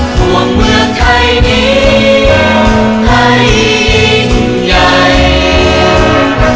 ห่วงเมืองไทยดีให้ยิ่งใหญ่